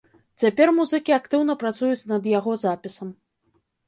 Цяпер музыкі актыўна працуюць над яго запісам.